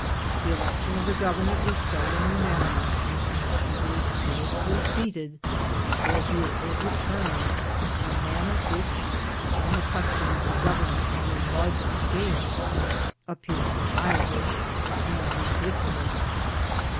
The election of the governor is seldom unanimous, and he is scarcely seated before he is overturned, in a manner which, to one accustomed to governments on a larger scale, ap^ pears childish and ridiculous.